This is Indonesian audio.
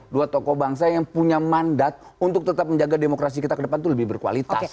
dua tokoh bangsa yang punya mandat untuk tetap menjaga demokrasi kita ke depan itu lebih berkualitas